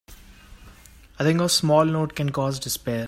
A thing of small note can cause despair.